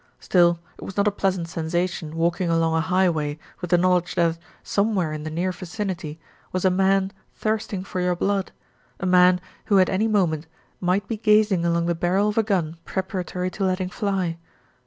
Still, it was not a pleasant sensation walking along a highway with the knowledge that, somewhere in the near vicinity, was a man thirsting for your blood, a man, who, at any moment, might be gazing along the barrel of a gun preparatory to letting fly.